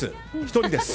１人です。